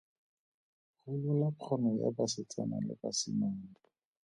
Golola kgono ya basetsana le basimane.